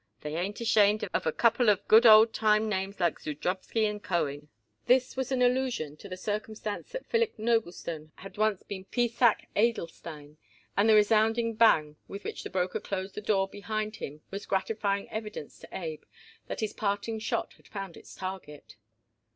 "They ain't ashamed of a couple of good old time names like Zudrowsky & Cohen." This was an allusion to the circumstance that Philip Noblestone had once been Pesach Edelstein, and the resounding bang with which the broker closed the door behind him, was gratifying evidence to Abe that his parting shot had found its target.